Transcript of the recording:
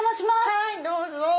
はいどうぞ。